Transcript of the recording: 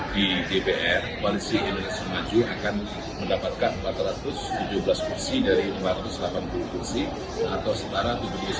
di dpr koalisi indonesia maju akan mendapatkan empat ratus tujuh belas kursi dari lima ratus delapan puluh kursi atau setara tujuh puluh tujuh